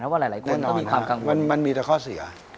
เพราะว่าหลายคนก็มีความกังวลแน่นอนค่ะมันมีแต่ข้อเสีย